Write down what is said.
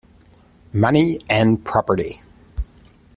money and property.